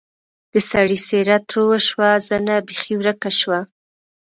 د سړي څېره تروه شوه زنه بېخي ورکه شوه.